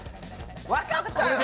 分かったよ。